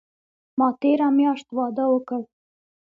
ما تیره میاشت واده اوکړ